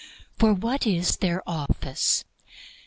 For what is their office?